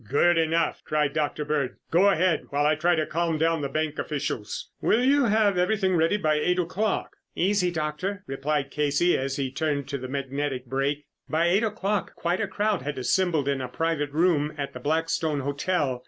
"Good enough!" cried Dr. Bird. "Go ahead while I try to calm down the bank officials. Will you have everything ready by eight o'clock?" "Easy, Doctor," replied Casey as he turned to the magnetic brake. By eight o'clock quite a crowd had assembled in a private room at the Blackstone Hotel.